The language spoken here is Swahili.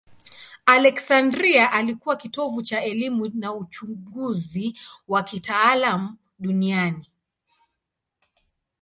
Aleksandria ilikuwa kitovu cha elimu na uchunguzi wa kitaalamu duniani.